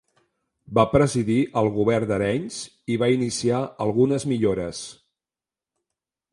Va presidir el govern d'Arenys i va iniciar algunes millores.